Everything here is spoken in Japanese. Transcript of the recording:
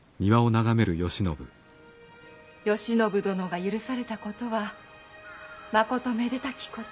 慶喜殿が赦されたことはまことめでたきこと。